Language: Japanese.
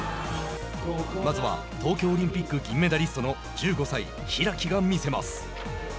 まずは東京オリンピック銀メダリストの１５歳開が見せます。